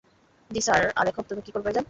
জ্বি, স্যার আর এখন তুমি কী করবে ভাইজান?